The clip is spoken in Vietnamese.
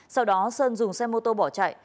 sau đó sơn dùng xe mô tô bỏ chạy